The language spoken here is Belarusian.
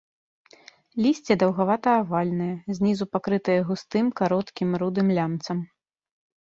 Лісце даўгавата-авальнае, знізу пакрытае густым кароткім рудым лямцам.